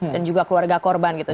dan juga keluarga korban gitu